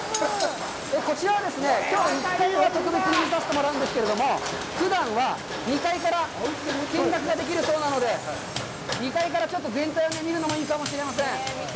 こちらは特別に見させてもらうんですけれども、ふだんは、２階から見学ができるそうなので、２階からちょっと全体を見るのもいいかもしれません。